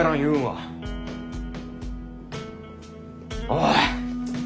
おい。